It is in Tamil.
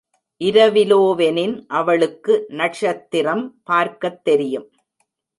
இரவிலோ வெனின், அவளுக்கு நஷத்திரம் பார்க்கத்தெரியும்.